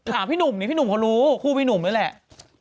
ถามพี่หนุ่มพี่หนุ่มก็รู้คู่พี่หนุ่มนี่แหละ